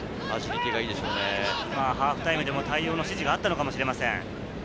ハーフタイムでも対応の指示があったのかもしれません。